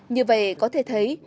như vậy có thể thấy